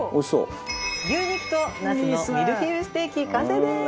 牛肉とナスのミルフィーユステーキ完成です。